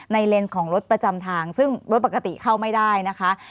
เลนส์ของรถประจำทางซึ่งรถปกติเข้าไม่ได้นะคะ